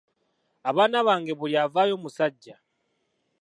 Abaana bange buli avaayo musajja.